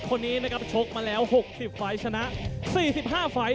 คนนี้นะครับชกมาแล้ว๖๐ไฟล์ชนะ๔๕ไฟล์